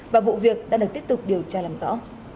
và vụ việc đã được tiếp tục điều tra làm rõ